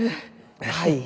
はい。